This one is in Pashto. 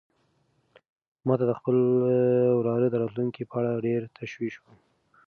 ما ته د خپل وراره د راتلونکي په اړه ډېر تشویش و.